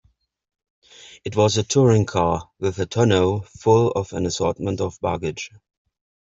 It was a touring car, with the tonneau full of an assortment of baggage.